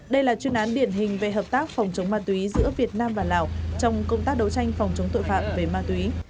đây là chuyên án điển hình về hợp tác phòng chống ma túy giữa việt nam và lào trong công tác đấu tranh phòng chống tội phạm về ma túy